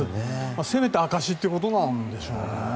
攻めた証しということなんでしょうね。